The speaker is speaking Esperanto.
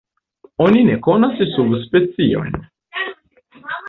Oni ne konas subspeciojn.